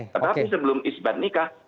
tetapi sebelum ispat nikah